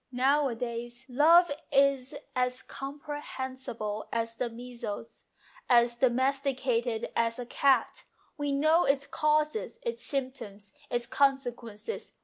Nowadays love is as compre hensible as the measles, as domesticated as a cat. We know its causes, its symptoms, its consequences.